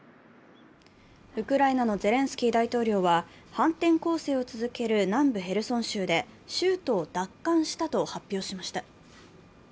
ウクライナのゼレンスキー大統領は、反転攻勢を続ける南部ヘルソン州で州都を奪還したと発表しました。